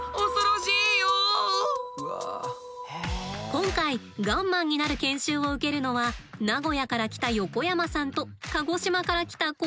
今回ガンマンになる研修を受けるのは名古屋から来た横山さんと鹿児島から来た小島さん。